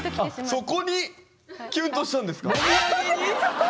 そこにキュンとしたんですか⁉そう。